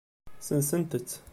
Sensent-tt.